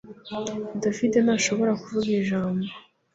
David ntashobora kuvuga ijambo